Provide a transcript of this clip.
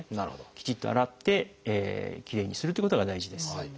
きちっと洗ってきれいにするっていうことが大事です。